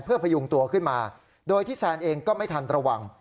เพื่อพยุงตัวขึ้นมาโดยที่แซนเองก็ไม่ทันระวัง